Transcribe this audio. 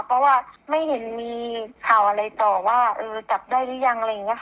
เพราะว่าไม่เห็นมีข่าวอะไรต่อว่าเออจับได้หรือยังอะไรอย่างนี้ค่ะ